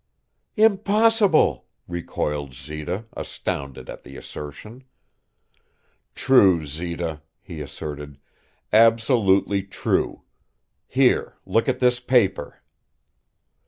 "Impossible!" recoiled Zita, astounded at the assertion. "True, Zita," he asserted, "absolutely true. Here, look at this paper."